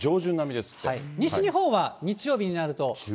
西日本は日曜日になると。